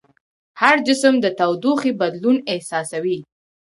هر جسم د تودوخې بدلون احساسوي.